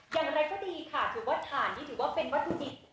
อย่างไรก็ดีค่ะถือว่าถ่านนี้ถือว่าเป็นวัตถุดิบ